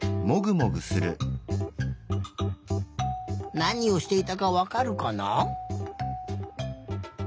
なにをしていたかわかるかな？